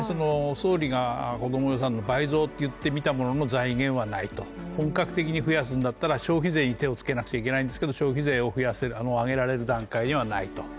総理が子供予算の倍増と言ってみたものの財源はないと、本格的に増やすんだったら消費税に手をつけなきゃいけないんですけど消費税を上げられる段階にはないと。